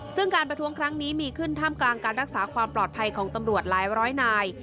ซึ่งการประท้วงครั้งนี้มีขึ้นท่ามกลางการรักษาความปลอดภัยของตำรวจหลายร้อยนาย